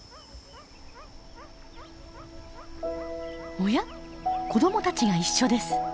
おや子どもたちが一緒です。